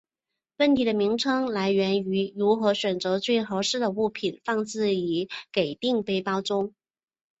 问题的名称来源于如何选择最合适的物品放置于给定背包中。